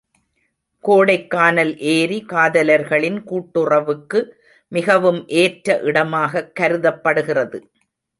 கோடைக்கானல் ஏரி, காதலர்களின் கூட்டுறவுக்கு மிகவும் ஏற்ற இடமாகக் கருதப்படுகிறது.